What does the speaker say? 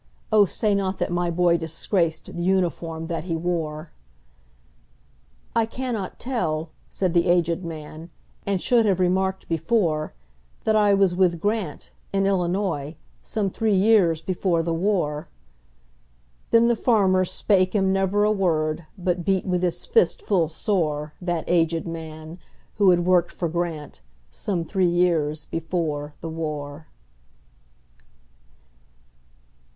Oh, say not that my boy disgracedThe uniform that he wore!""I cannot tell," said the aged man,"And should have remarked before, That I was with Grant,—in Illinois,—Some three years before the war."Then the farmer spake him never a word, But beat with his fist full soreThat aged man, who had worked for GrantSome three years before the war.